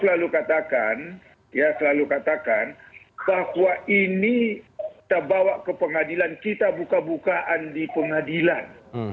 selalu katakan ya selalu katakan bahwa ini kita bawa ke pengadilan kita buka bukaan di pengadilan